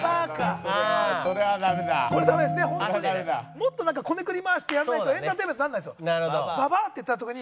もっとなんかこねくり回してやらないとエンターテインメントにならないんですよ。